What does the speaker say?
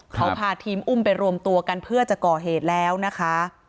เขาพาทีมอุ้มไปรวมตัวกันเพื่อจะก่อเหตุแล้วนะคะ